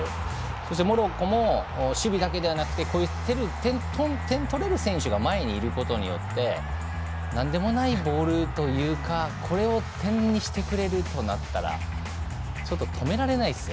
そしてモロッコも守備だけではなくて点を取れる選手が前にいることによってなんでもないボールというかこれを点にしてくれるとなったらちょっと、止められないですよ。